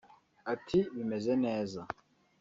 Ati “Bimeze neza